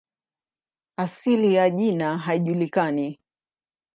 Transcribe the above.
Asili ya jina haijulikani.